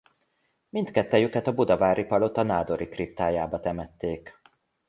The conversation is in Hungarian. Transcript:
Mindkettőjüket a Budavári Palota nádori kriptájába temették.